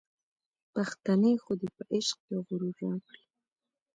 پښتنې خودۍ په عشق کي غرور راکړی